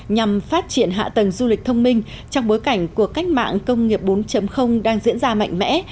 nhằm phát triển hạ tầng du lịch thông minh trong bối cảnh cuộc cách mạng công nghiệp bốn đang diễn ra mạnh mẽ